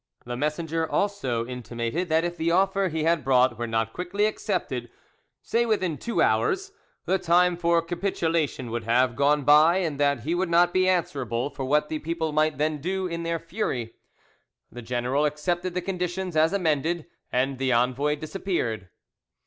The messenger also intimated that if the offer he had brought were not quickly accepted—say within two hours—the time for capitulation would have gone by, and that he would not be answerable for what the people might then do in their fury. The general accepted the conditions as amended, and the envoy disappeared.